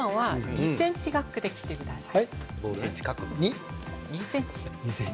２ｃｍ角に切ってください。